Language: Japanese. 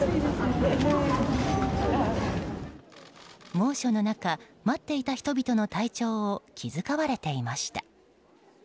猛暑の中待っていた人々の体調を気遣われていました。